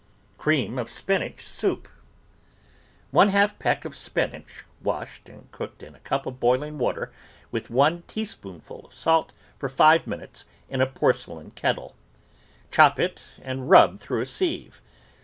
CREAM OF SPINACH SOUP One half peck of spinach washed and cooked in a cup of boiling water with one teaspoonful of salt for five minutes in a porcelain kettle; chop it and rub through a sieve.